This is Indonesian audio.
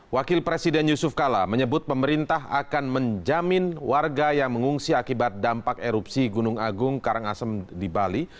wakil presiden yusuf kala menyebut pemerintah akan menjamin warga yang mengungsi akibat dampak erupsi gunung agung karangasem di bali